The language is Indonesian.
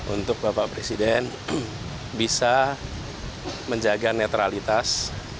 untuk bapak presiden bisa menjaga netralitas